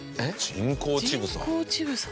人工乳房。